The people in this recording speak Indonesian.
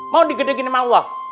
mau digedegin sama allah